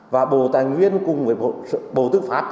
và bộ tài nguyên cùng bộ tư pháp